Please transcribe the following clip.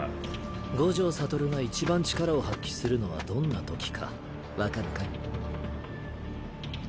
五条悟がいちばん力を発揮するのはどんなときか分かるかい？